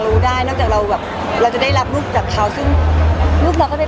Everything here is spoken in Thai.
แต่ถ้าสิ่งที่เราได้รับเราก็ได้ถ่ายน้ำก็อยู่บริษัท